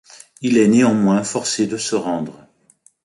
Il est néanmoins forcé de se rendre.